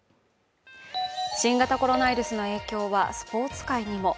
新型コロナウイルスの影響はスポーツ界にも。